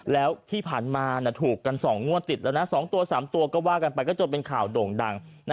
แล้วที่ผ่านมาถูกกัน๒งวดติดแล้วนะ๒ตัว๓ตัวก็ว่ากันไปก็จนเป็นข่าวโด่งดัง